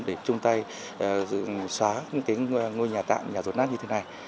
để chung tay xóa những ngôi nhà tạm nhà rột nát như thế này